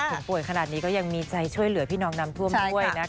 ป่วยขนาดนี้ก็ยังมีใจช่วยเหลือพี่น้องน้ำท่วมด้วยนะคะ